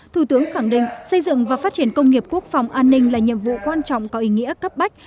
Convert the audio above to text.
thủ tướng khẳng định xây dựng và phát triển công nghiệp quốc phòng an ninh là nhiệm vụ quan trọng có ý nghĩa cấp bách